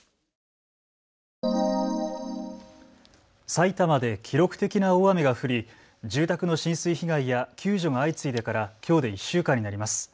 埼玉で記録的な大雨が降り住宅の浸水被害や救助が相次いでからきょうで１週間になります。